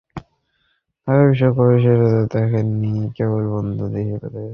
তাকে কখনই তাকে বিশ্বের সেরা হিসেবে দেখিনি, দেখেছি কেবল বন্ধু হিসেবে।